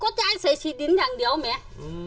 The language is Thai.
กดใจใส่ชีดินทั้งเดียวไหม